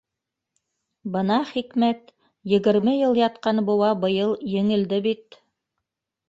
— Бына хикмәт, егерме йыл ятҡан быуа быйыл еңелде бит.